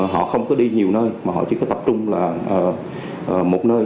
họ không có đi nhiều nơi mà họ chỉ có tập trung là một nơi